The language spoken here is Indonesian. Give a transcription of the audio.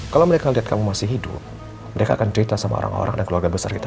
kalau mereka lihat kamu masih hidup mereka akan cerita sama orang orang dan keluarga besar kita